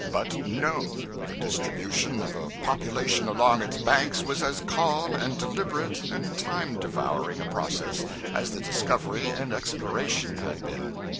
But no, the distribution of a population along its banks was as calm and deliberate and time devouring a process as the discovery and exploration had been.